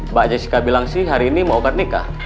mbak jessica bilang sih hari ini mau akad nikah